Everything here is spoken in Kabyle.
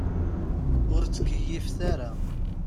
Ur ttkeyyifet ara.